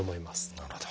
なるほど。